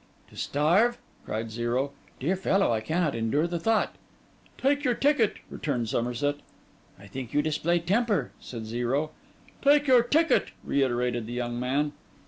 'To starve?' cried Zero. 'Dear fellow, I cannot endure the thought.' 'Take your ticket!' returned Somerset. 'I think you display temper,' said Zero. 'Take your ticket,' reiterated the young man.